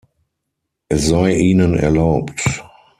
Es sei Ihnen erlaubt!